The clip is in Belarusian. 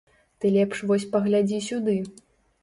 Ты лепш вось паглядзі сюды!